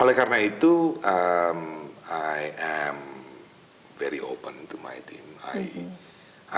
oleh karena itu saya sangat terbuka dengan tim saya